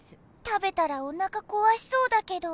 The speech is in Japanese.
食べたらおなかこわしそうだけど。